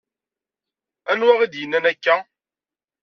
Anwa i d-yenna akka?